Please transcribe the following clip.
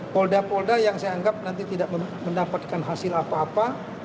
polda polda yang saya anggap nanti tidak mendapatkan hasil apa apa